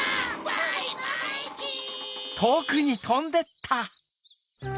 バイバイキン！